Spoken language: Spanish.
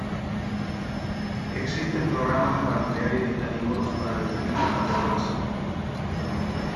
Existen programas para crear y editar iconos para distintas plataformas.